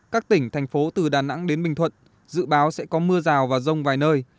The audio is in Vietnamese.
các tỉnh thành phố từ đà nẵng đến bình thuận dự báo sẽ có mưa rào và rông vài nơi